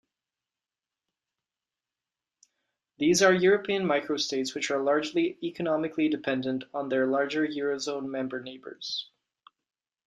These are European microstates which are largely economically dependent on their larger Eurozone-member neighbours.